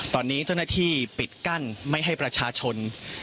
ตอนนี้เจ้าหน้าที่ปิดกั้นไม่ให้ประชาชน